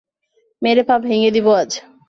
মেরে পা ভেঙে দিবো আজ।